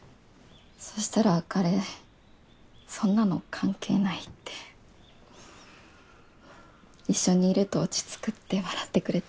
そしたら彼そんなの関係ないって一緒にいると落ち着くって笑ってくれて。